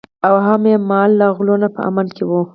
او هم یې مال له غلو نه په امن کې وي.